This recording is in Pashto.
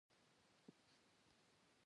ویرات کهولي د ټېسټ بازي یو لوی کپتان دئ.